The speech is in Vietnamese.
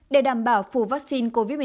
để đảm bảo phủ vaccine covid một mươi chín